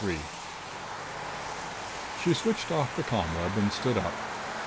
3 She switched off the ComWeb and stood up.